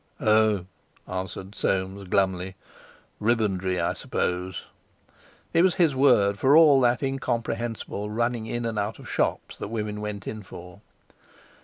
"Oh!" answered Soames glumly. "Ribbandry, I suppose." It was his word for all that incomprehensible running in and out of shops that women went in for.